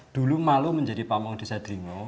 dulu malu menjadi pamung desa ndlingo